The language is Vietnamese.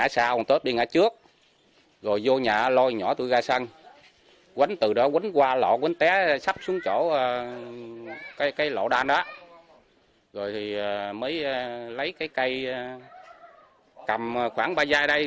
sắp xuống chỗ cái lộ đan đó rồi thì mới lấy cái cây cầm khoảng ba giai đây